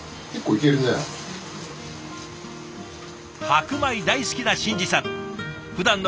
白米大好きな新志さん。